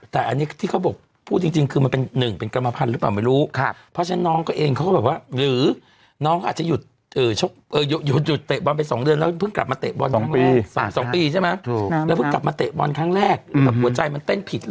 ที่เขาบอกพูดจริงจริงคือมันเป็นหนึ่งเป็นกรรมพันธุ์หรือเปล่าไม่รู้ครับเพราะฉะนั้นน้องก็เองเขาก็แบบว่าหรือน้องก็อาจจะหยุดเออชกเออหยุดหยุดเตะบอลไปสองเดือนแล้วเพิ่งกลับมาเตะบอลสองปีสามสองปีใช่ไหมถูกแล้วเพิ่งกลับมาเตะบอลครั้งแรกอืมแบบหัวใจมันเต้นผิดหร